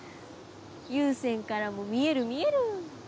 湯専からも見える見える！